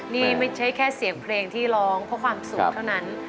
นี่ไม่ใช่แค่เสียงเพลงที่ร้องเพราะความสุขเท่านั้น